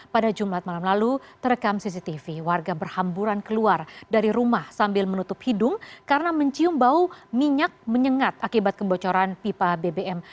pada jumat malam lalu terekam cctv warga berhamburan keluar dari rumah sambil menutup hidung karena mencium bau minyak menyengat akibat kebocoran pipa bbm